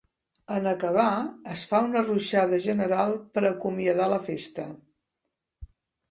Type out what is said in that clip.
En acabar es fa una ruixada general per acomiadar la festa.